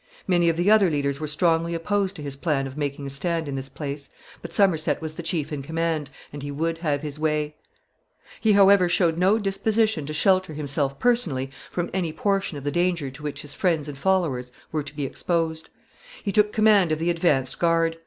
Many of the other leaders were strongly opposed to his plan of making a stand in this place, but Somerset was the chief in command, and he would have his way. [Sidenote: Battle of Tewkesbury.] [Sidenote: Preparations for the fight.] He, however, showed no disposition to shelter himself personally from any portion of the danger to which his friends and followers were to be exposed. He took command of the advanced guard.